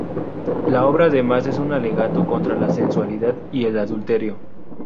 La obra además es un alegato contra la sensualidad y el adulterio.